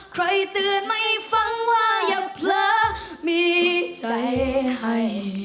ใครเตือนไม่ฟังว่าอย่าเพลินมีใจให้